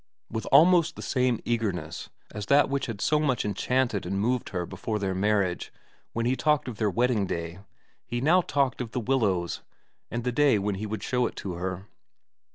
With almost the same eagerness as that which had so much enchanted and moved her before their marriage when he talked of their wedding day, he now talked of The Willows and the day when he would show it to her.